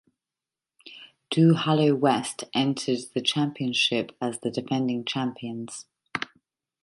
Duhallow West entered the championship as the defending champions.